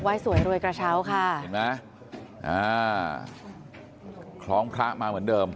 วัยสวยรวยกระเช้าค่ะคล้องพระมาเหมือนเดิม